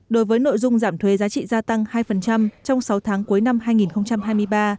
đối với nội dung giảm thuế giá trị gia tăng hai trong sáu tháng cuối năm hai nghìn hai mươi ba